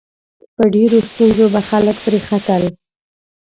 په ډېرو ستونزو به خلک پرې ختل.